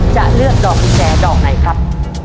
จะเลือกดอกกุญแจดอกไหนครับ